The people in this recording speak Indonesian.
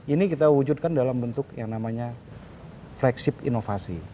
ini kita wujudkan dalam bentuk yang namanya flagship inovasi